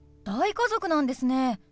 大家族なんですね。